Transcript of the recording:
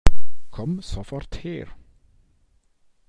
Komm sofort her!